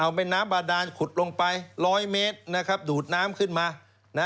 เอาเป็นน้ำบาดานขุดลงไป๑๐๐เมตรดูดน้ำขึ้นมา